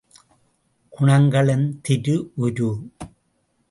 குணங்களின் திரு உரு!